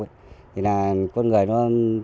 thì là con người nó